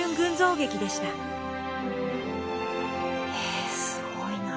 えすごいな。